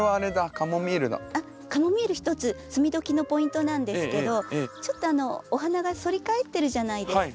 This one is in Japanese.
カモミール一つ摘みどきのポイントなんですけどちょっとお花が反り返ってるじゃないですか。